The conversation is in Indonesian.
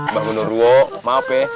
mbak gundurwo maaf ya